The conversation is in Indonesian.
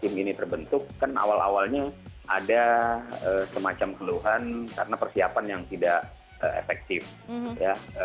tim ini terbentuk kan awal awalnya ada semacam keluhan karena persiapan yang tidak efektif ya